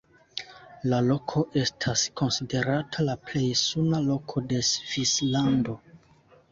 La loko estas konsiderata la plej suna loko de Svislando.